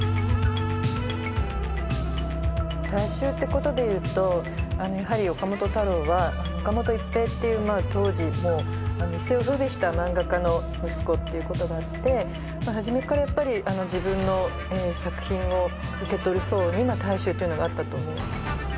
大衆ってことでいうとやはり岡本太郎は岡本一平っていう当時一世を風靡した漫画家の息子っていうことがあって初めからやっぱり自分の作品を受け取る層に大衆っていうのがあったと思う。